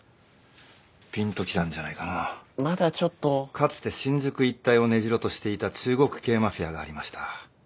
かつて新宿一帯を根城としていた中国系マフィアがありました。